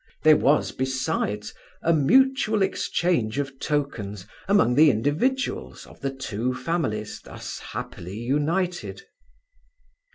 There was, besides, a mutual exchange of tokens among the individuals of the two families thus happily united.